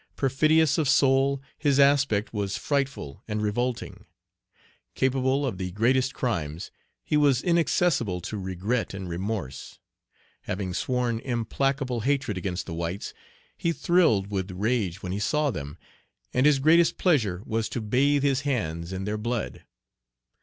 Perfidious of soul, his aspect was frightful and revolting. Capable of the greatest crimes, he was inaccessible to regret and remorse. Having sworn implacable hatred against the whites, he thrilled with rage when he saw them; and his greatest pleasure was to bathe his hands in their blood.